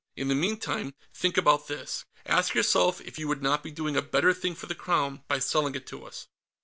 In the meantime, think about this; ask yourself if you would not be doing a better thing for the Crown by selling it to us."